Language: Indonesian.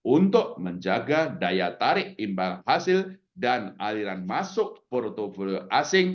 untuk menjaga daya tarik imbang hasil dan aliran masuk portfolio asing